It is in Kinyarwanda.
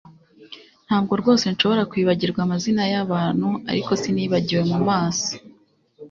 Ntabwo rwose nshobora kwibuka amazina yabantu ariko sinibagiwe mumaso